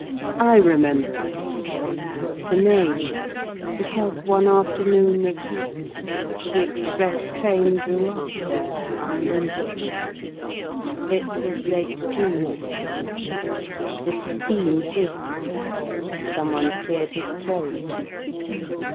I remember Adlestrop The name, because one afternoon Of heat the express train drew up there Unwontedly. It was late June. The steam hissed. Someone cleared his throat.